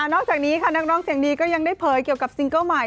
นอกจากนี้ค่ะนักร้องเสียงดีก็ยังได้เผยเกี่ยวกับซิงเกิ้ลใหม่